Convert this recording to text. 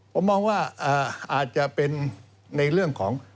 ผมมองว่าอาจจะเป็นในเรื่องของ